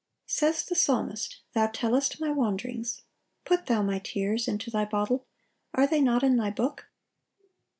Says the psalmist, "Thou tellest my wanderings: put Thou my tears into Thy bottle: are they not in Thy book?"